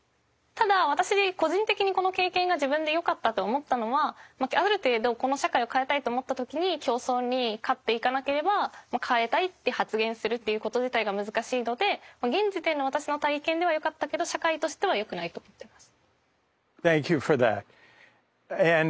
ただ私個人的にこの経験が自分で良かったと思ったのはある程度この社会を変えたいと思った時に競争に勝っていかなければ変えたいって発言するっていうこと自体が難しいので現時点での私の体験では良かったけど社会としては良くないと思っています。